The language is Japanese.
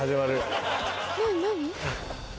何何？